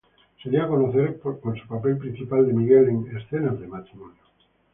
Se dio a conocer con su papel principal de Miguel en "Escenas de matrimonio".